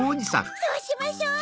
そうしましょう！